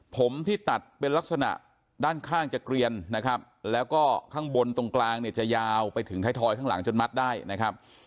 ผมที่ตัดเป็นลักษณะด้านข้างจะเกลียนนะครับแล้วก็ข้างบนตรงกลางเนี่ยจะยาวไปถึงไทยทอยข้างหลังจนมัดได้นะครับ